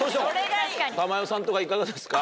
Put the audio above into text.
珠代さんとかいかがですか？